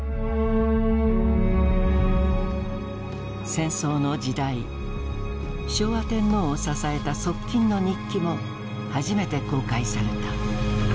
戦争の時代昭和天皇を支えた側近の日記も初めて公開された。